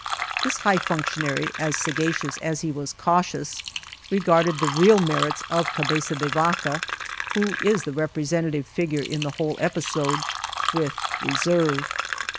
This high functionary, as sagacious as he was cautious, regarded the real merits of Cabeza de Vaca (who is the representative figure in the whole episode) with reserve.